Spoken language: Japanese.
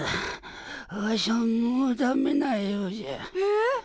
わしゃもうダメなようじゃ。えっ？